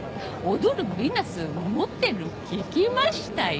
踊るビーナス持ってる聞きましたよ。